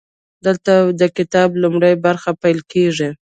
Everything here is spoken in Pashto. دلته د کتاب لومړۍ برخه پیل کیږي.